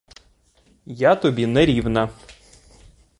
Я тобі не рівна.